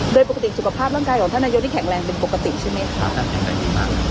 โดยปกติสุขภาพร่างกายของท่านนายกที่แข็งแรงเป็นปกติใช่ไหมคะ